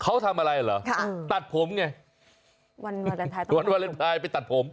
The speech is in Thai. เขาทำอะไรเหรอตัดผมไงวันวาเลนทรายไปตัดผม